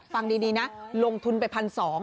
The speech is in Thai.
ฟังดีนะลงทุนไป๑๒๐๐บาท